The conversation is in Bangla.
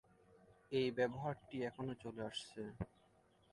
এই ব্যবহারটি এখনো চলে আসছে।